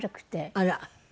あら。